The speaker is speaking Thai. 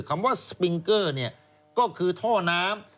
คำว่าสปิงเกอร์ก็คือท่อน้ำ